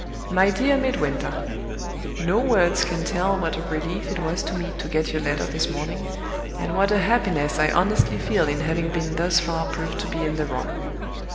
"MY DEAR MIDWINTER No words can tell what a relief it was to me to get your letter this morning, and what a happiness I honestly feel in having been thus far proved to be in the wrong.